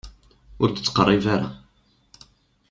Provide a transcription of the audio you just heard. Ur d-ttqeṛṛib ara.